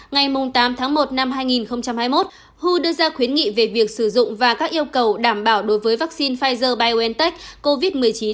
ngày tám tháng một năm hai nghìn hai mươi một hu đưa ra khuyến nghị về việc sử dụng và các yêu cầu đảm bảo đối với vaccine pfizer biontech covid một mươi chín